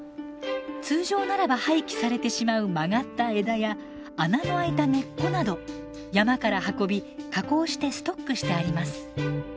通常ならば廃棄されてしまう曲がった枝や穴の開いた根っこなど山から運び加工してストックしてあります。